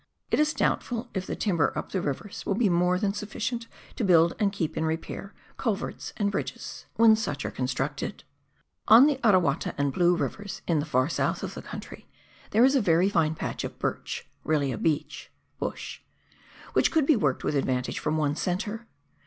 It is doubtful if the timber up the rivers will be more than sufficient to build and keep in repair culverts and bridges, WESTLAND. 3 1 when sucli are constructed. On the Arawata and Blue Rivers, in the far south of the country, there is a very fine patch of hirch (really a beech) bush, which could be worked with advantage from one centre.